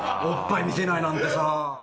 おっぱい見せないなんてさ。